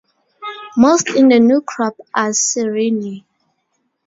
Most in the new crop are serene.